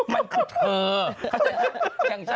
มันคือเธอ